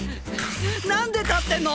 なんで立ってんの！？